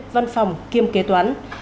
văn phòng kiêm kế toán